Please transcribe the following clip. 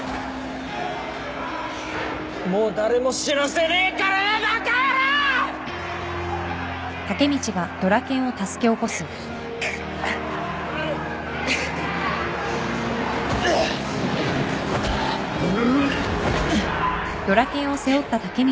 もう誰も死なせねえからなバカ野郎！くっんん。